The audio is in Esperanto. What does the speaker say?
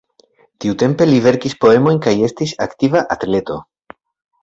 Tiutempe li verkis poemojn kaj estis aktiva atleto.